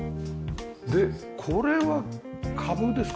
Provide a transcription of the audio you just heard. でこれは株ですか？